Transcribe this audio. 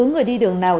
người đi đường nào